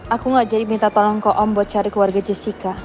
aku gak jadi minta tolong ke om buat cari keluarga jessica